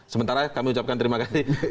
sementara kami ucapkan terima kasih